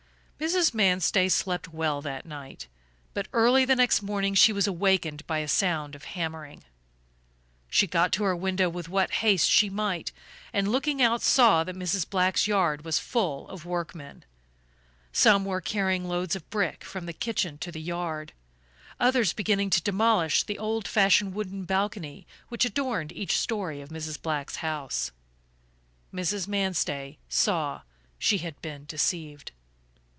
Mrs. Manstey slept well that night, but early the next morning she was awakened by a sound of hammering. She got to her window with what haste she might and, looking out saw that Mrs. Black's yard was full of workmen. Some were carrying loads of brick from the kitchen to the yard, others beginning to demolish the old fashioned wooden balcony which adorned each story of Mrs. Black's house. Mrs. Manstey saw that she had been deceived.